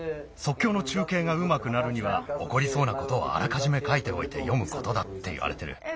きょうの中けいがうまくなるにはおこりそうなことをあらかじめかいておいてよむことだっていわれてる。